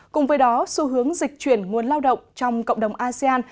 cùng với đó xu hướng dịch chuyển nguồn lao động trong cộng đồng asean